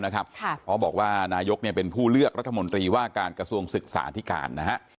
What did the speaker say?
เพราะบอกว่านายกเป็นผู้เลือกรัฐมนตรีว่าการกระทรวงศึกษาที่การนะฮะ